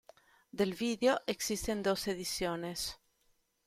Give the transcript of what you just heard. Del vídeo existen dos ediciones.